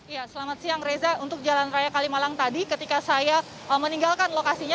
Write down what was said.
ya selamat siang reza untuk jalan raya kalimalang tadi ketika saya meninggalkan lokasinya